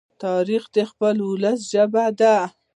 تاریخ د خپل ولس ژبه ده.